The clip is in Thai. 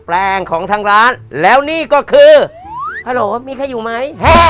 แปลงของทางร้านแล้วนี่ก็คือฮัลโหลมีใครอยู่ไหม